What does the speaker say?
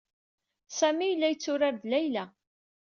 Sami yella yetturar d Layla.